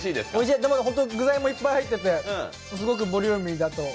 具材もいっぱい入っててすごくボリューミーだと。